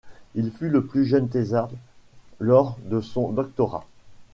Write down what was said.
Il fut le plus jeune thésard lors de son doctorat.